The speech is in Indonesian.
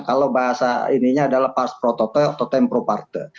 kalau bahasa ininya adalah part pro toto totem pro parte